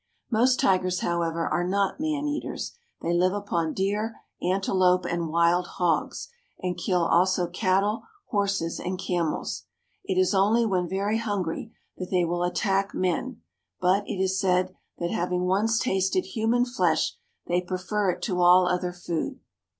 Most tigers, however, are not man eaters. They live upon deer, antelope, and wild hogs, and kill also cattle, horses, and camels. It is only when very hungry that they will attack men ; but, it is said that having once tasted human 244 THE WILD ANIMALS OF INDIA flesh, they prefer it to all other food.